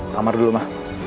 kamar dulu ma